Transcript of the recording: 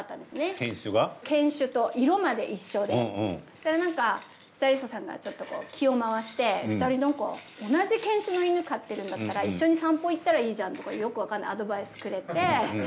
したらなんかスタイリストさんがちょっと気を回して２人なんか同じ犬種の犬飼ってるんだったら一緒に散歩行ったらいいじゃんとかよくわかんないアドバイスくれて。